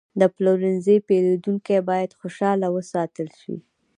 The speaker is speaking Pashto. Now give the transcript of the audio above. د پلورنځي پیرودونکي باید خوشحاله وساتل شي.